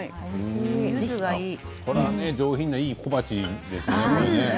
これは上品な、いい小鉢ですね。